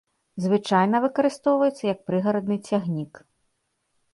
Звычайна выкарыстоўваецца як прыгарадны цягнік.